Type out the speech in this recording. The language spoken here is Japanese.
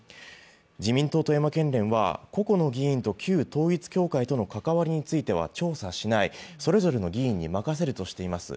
自民党富山県連は個々の議員と旧統一教会との関わりについては調査しない、それぞれの議員に任せるとしています。